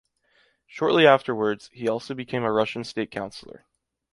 Shortly afterwards, he also became a Russian state councilor.